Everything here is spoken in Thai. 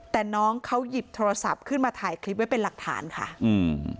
แต่น้องเขาหยิบโทรศัพท์ขึ้นมาถ่ายคลิปไว้เป็นหลักฐานค่ะอืม